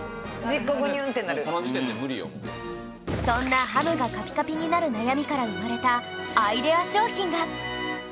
そんなハムがカピカピになる悩みから生まれたアイデア商品が